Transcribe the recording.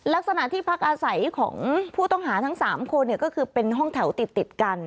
ลักษณะที่พักอาศัยของผู้ต้องหาทั้ง๓คนก็คือเป็นห้องแถวติดกัน